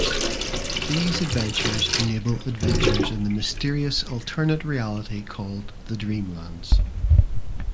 These adventures enable adventures in the mysterious alternate reality called the Dreamlands.